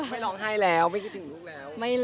ไม่ร้องไห้แล้วไม่คิดถึงลูกแล้ว